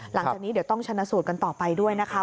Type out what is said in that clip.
หลังจากนี้เดี๋ยวต้องชนะสูตรกันต่อไปด้วยนะคะ